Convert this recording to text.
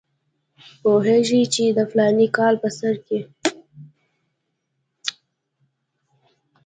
پوهېږم چې د فلاني کال په سر کې.